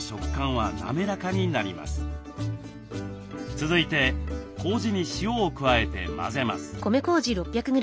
続いてこうじに塩を加えて混ぜます。